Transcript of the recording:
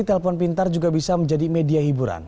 telepon pintar juga bisa menjadi media hiburan